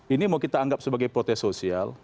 ini mau kita anggap sebagai protes sosial